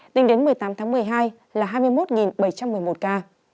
tính đến một mươi tám tháng một mươi hai là hai mươi một bảy trăm một mươi một ca